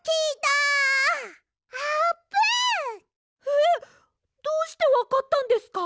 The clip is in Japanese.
えっどうしてわかったんですか？